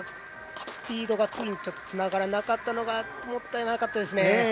スピードが次につながらなかったのがもったいなかったですね。